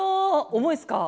重いっすか？